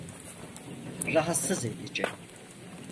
Rahatsız edici.